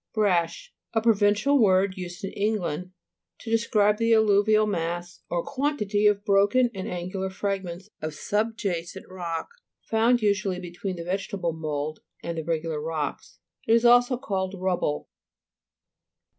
BRASH A provincial word used in England to describe the alluvial mass or quantity of broken and angular fragments of subjacent rock, found usually between the vegeta ble mould and the regular rocks. It is also called rubble.